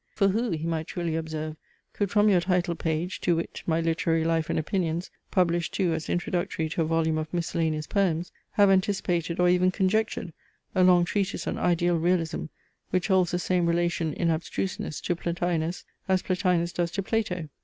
For who, he might truly observe, could from your title page, to wit, "My Literary Life and Opinions," published too as introductory to a volume of miscellaneous poems, have anticipated, or even conjectured, a long treatise on Ideal Realism which holds the same relation in abstruseness to Plotinus, as Plotinus does to Plato.